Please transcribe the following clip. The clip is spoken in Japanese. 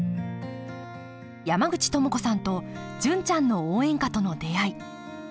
山口智子さんと「純ちゃんの応援歌」との出会い。